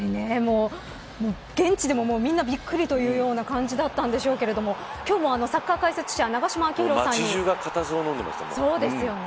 現地でも、みんなびっくりというような感じだったんでしょうけれど今日もサッカー解説永島昭浩さんに街中が固唾をのんでいました。